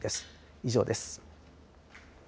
以上です。